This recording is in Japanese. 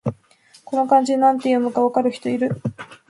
この漢字、なんて読むか分かる人いる？